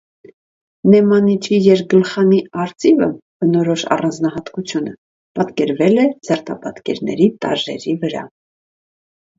Նեմանիչի երկգլխանի արծիվը (բնորոշ առանձնահատկությունը) պատկերվել է զարդապատկերների տարրերի վրա։